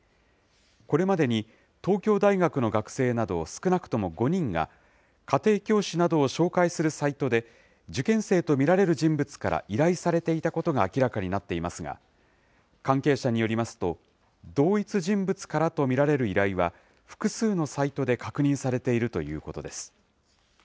これまでに東京大学の学生など少なくとも５人が、家庭教師などを紹介するサイトで、受験生と見られる人物から依頼されていたことが明らかになっていますが、関係者によりますと、同一人物からと見られる依頼は、複数のサイトで確認されているということです。